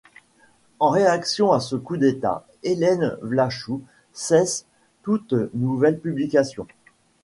En réaction à ce coup d'État, Hélène Vlachou cesse toute nouvelle publication.